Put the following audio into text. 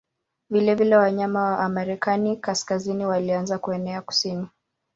Vilevile wanyama wa Amerika Kaskazini walianza kuenea kusini.